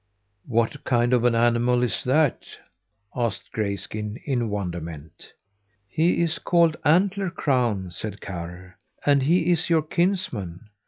"What kind of an animal is that?" asked Grayskin in wonderment. "He is called Antler Crown," said Karr, "and he is your kinsman.